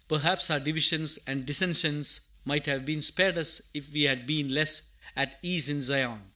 Perhaps our divisions and dissensions might have been spared us if we had been less "at ease in Zion."